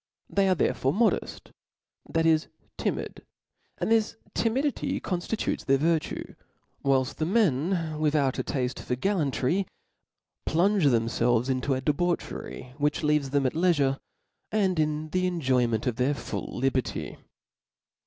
They are therefore modeft, that is timid; and this timidity confticutes their virtue : whilft the men, without a tafte for gallantry, jplunge themftrlve^ into a debauchery, which leaves them at leifure, and in the enjoyment of their full liberty.